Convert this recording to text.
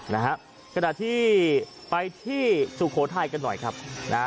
นะฮะกระดาษที่ไปที่สุโขทัยกันหน่อยครับนะฮะ